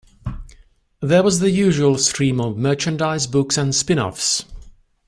There was the usual stream of merchandise, books and spin-offs.